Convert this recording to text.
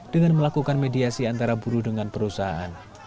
dengan melakukan mediasi antara buruh dengan perusahaan